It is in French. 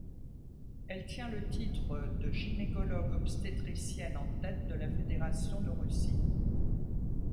Elle tient le titre de gynécologue obstétricienne en tête de la fédération de Russie.